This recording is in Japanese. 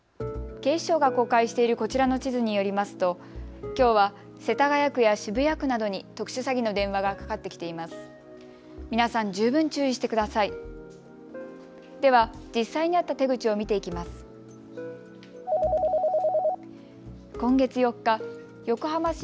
警視庁が公開しているこちらの地図によりますときょうは世田谷区や渋谷区などに特殊詐欺の電話がかかってきています。